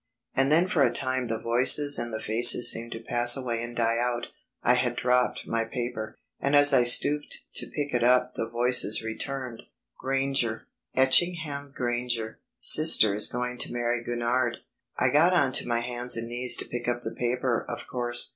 ... And then for a time the voices and the faces seemed to pass away and die out. I had dropped my paper, and as I stooped to pick it up the voices returned. "Granger ... Etchingham Granger.... Sister is going to marry Gurnard." I got on to my hands and knees to pick up the paper, of course.